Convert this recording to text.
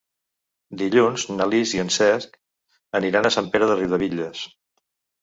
Dilluns na Lis i en Cesc aniran a Sant Pere de Riudebitlles.